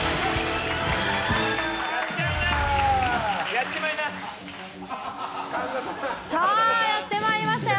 やっちまいな！さあ、やってまいりましたよ。